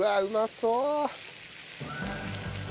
うまそう！